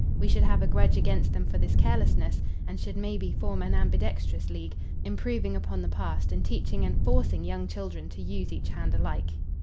We should have a grudge against them for this carelessness, and should, may be, form an ambidextrous league, improving upon the past and teaching and forcing young children to use each hand alike.